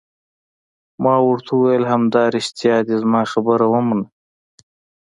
ما ورته وویل: همدارښتیا دي، زما خبره ومنه.